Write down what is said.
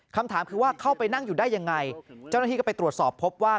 คำถามคือว่าเข้าไปนั่งอยู่ได้ยังไงเจ้าหน้าที่ก็ไปตรวจสอบพบว่า